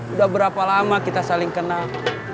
udah berapa lama kita saling kenal